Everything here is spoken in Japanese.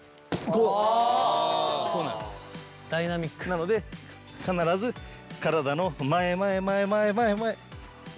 なので必ず体の前前前前前前。